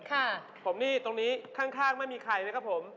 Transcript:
ครับผมนี่ตรงนี้ข้างไม่มีใครไหมครับผม